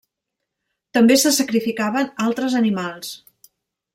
També se sacrificaven altres animals.